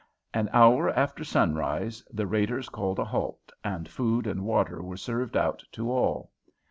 An hour after sunrise the raiders called a halt, and food and water were served out to all.